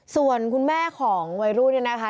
ส่วนคุณแม่ของวัยรุ่นเนี่ยนะคะ